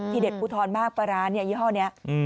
เด็ดอุทรมากปลาร้านเนี่ยยี่ห้อนี้